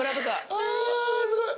あすごい！